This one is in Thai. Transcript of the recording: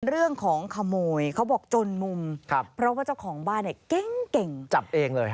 เรื่องของขโมยเขาบอกจนมุมครับเพราะว่าเจ้าของบ้านเนี่ยเก่งเก่งจับเองเลย